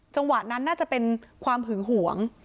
จังหวะนั้นน่าจะเป็นความหึงหวง